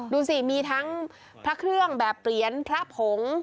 ดูสิมีทั้งพระเครื่องแบบเปลี่ยนพระผง